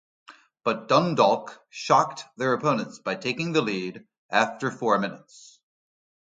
But Dundalk shocked their opponents by taking the lead after four minutes.